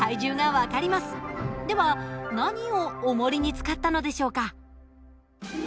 では何をおもりに使ったのでしょうか？